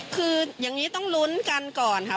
คืออย่างนี้ต้องลุ้นกันก่อนค่ะ